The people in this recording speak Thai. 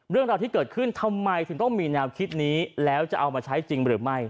เรื่องราวที่เกิดขึ้นทำไมถึงต้องมีแนวคิดนี้แล้วจะเอามาใช้จริงหรือไม่